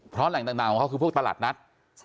เพราะแหล่งต่างของเขาคือพวกตลาดนัด